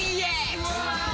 うわ！